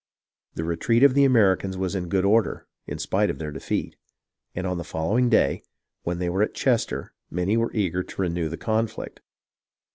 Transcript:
The retreat of the Americans was in good order, in spite of their defeat; and on the following day, when they were at Chester, many were eager to renew the conflict.